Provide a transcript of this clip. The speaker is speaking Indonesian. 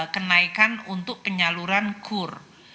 kenaikan untuk penyaluran kur